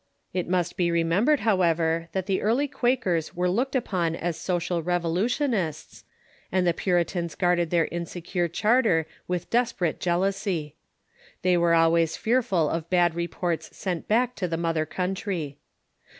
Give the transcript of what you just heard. It must be remembered, however, that the early Quakers were looked upon as social revolutionists, and the Puritans guarded their insecure charter with desperate jealousy. They were always fearful of bad reports sent back to the mother country.